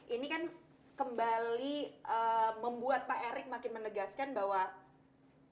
ini kan kembali membuat pak erick makin menegaskan bahwa